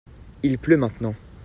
il pleut maintenant.